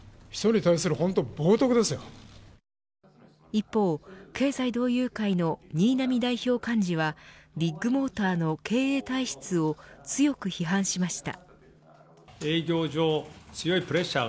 一方、経済同友会の新浪代表幹事はビッグモーターの経営体質を強く批判しました。